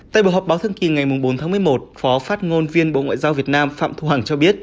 tại buổi họp báo thương kỳ ngày bốn tháng một mươi một phó phát ngôn viên bộ ngoại giao việt nam phạm thu hằng cho biết